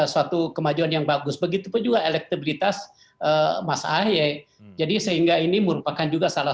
suatu kemajuan yang bagus begitu juga elektabilitas masyarakat jadi sehingga ini merupakan juga salah